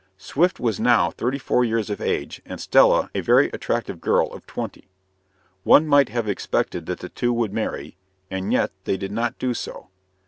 Swift was now thirty four years of age, and Stella a very attractive girl of twenty. One might have expected that the two would marry, and yet they did not do so.